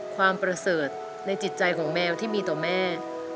ความประเสริฐในจิตใจของแมวที่มีต่อแม่